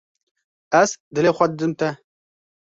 Ez dilê xwe didim te.